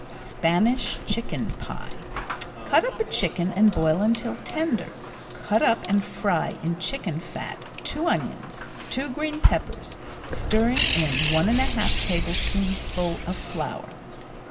Spanish Chicken Pie Cut up a chicken and boil until tender. Cut up and fry in chicken fat two onions, two green peppers, stirring in one and one half tablespoonfuls of flour.